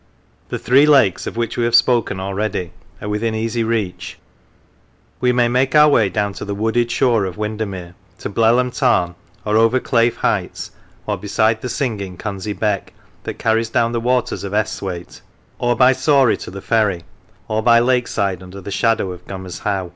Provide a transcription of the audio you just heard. The three lakes (of which we have spoken already) are within easy reach. We may make our way down to the wooded shore of Windermere, to Blelham Tarn, or over Claife Heights, or beside the singing Cunsey Beck, that carries down the waters of Esthwaite, or by Sawrey to the Ferry, or by Lakeside under the shadow of Gummer's How.